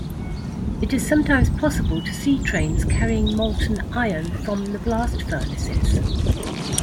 It is sometimes possible to see trains carrying molten iron from the blast furnaces.